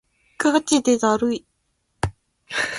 ガチでだるい